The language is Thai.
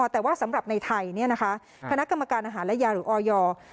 แต่ว่าสำหรับในไทยคณะกรรมการอาหารและยาหรือออย